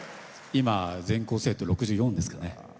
今、全校生徒６４ですかね。